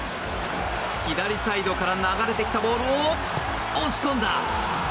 左サイドから流れてきたボールを押し込んだ。